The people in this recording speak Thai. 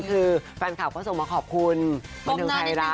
คือแฟนคลับก็ส่งมาขอบคุณบันเทิงไทยรัฐ